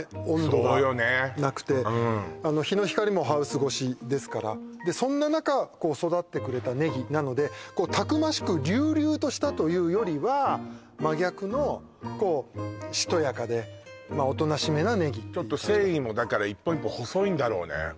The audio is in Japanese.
温度がなくてあの日の光もハウス越しですからそんな中育ってくれたネギなのでたくましく隆々としたというよりは真逆のこうしとやかでおとなしめなネギちょっと繊維もだから一本一本細いんだろうね